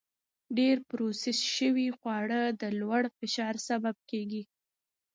ډېر پروسس شوي خواړه د لوړ فشار سبب کېږي.